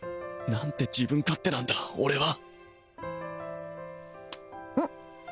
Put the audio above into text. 何て自分勝手なんだ俺はうん？